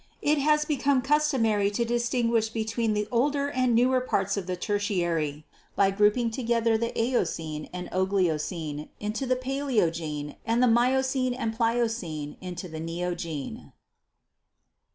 It has become customary to distinguish between the older and newer parts of the Tertiary by grouping together the Eocene and Oligocene into the Paleogene and the Miocene and Pliocene into the Neogene.